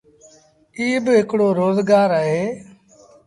ايٚ با هڪڙو روزگآر اهي۔